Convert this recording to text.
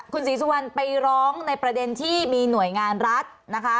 คุณศรีสุวรรณไปร้องในประเด็นที่มีหน่วยงานรัฐนะคะ